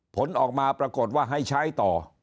ผลออกมาปรากฏว่าให้ใช้ต่อ